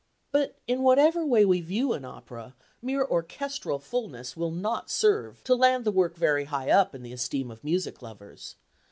But in whatever way we view an opera, mere orchestral fulness will not serve to land the work very high up in the esteem of music lovers.